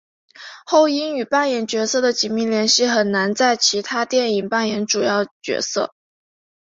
后因与扮演角色的紧密联系很难在其他电影扮演主要角色。